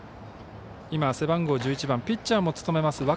背番号１１番ピッチャーも務めます